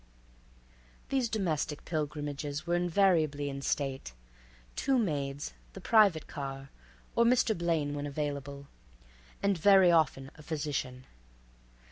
These domestic pilgrimages were invariably in state; two maids, the private car, or Mr. Blaine when available, and very often a physician.